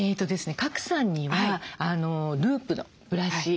賀来さんにはループのブラシ。